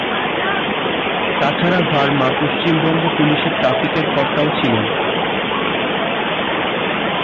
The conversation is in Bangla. তা ছাড়া ভার্মা পশ্চিমবঙ্গ পুলিশের ট্রাফিকের কর্তা ও ছিলেন।